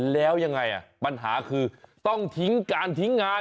แล้วยังไงปัญหาคือต้องทิ้งการทิ้งงาน